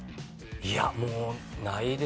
いやもうないです。